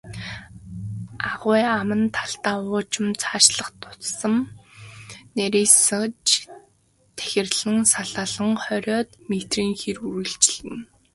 Агуй аман талдаа уужим, цаашлах тутам нарийсаж тахирлан салаалан, хориод метрийн хэр үргэлжилнэ.